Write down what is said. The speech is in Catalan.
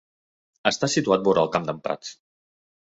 Està situat vora el Camp d'en Prats.